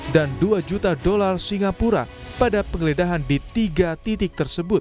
dan dua juta dolar singapura pada penggeledahan di tiga titik tersebut